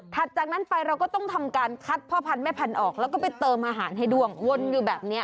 จากนั้นไปเราก็ต้องทำการคัดพ่อพันธุแม่พันธุ์ออกแล้วก็ไปเติมอาหารให้ด้วงวนอยู่แบบนี้